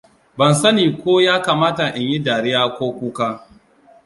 Ban sani ko ya kamata in yi dariya ko kuka.